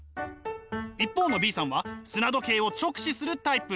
一方のＢさんは砂時計を直視するタイプ。